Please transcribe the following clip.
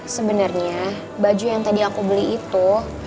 sebenarnya baju yang tadi aku beli itu